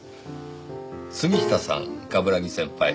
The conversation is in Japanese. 「杉下さん冠城先輩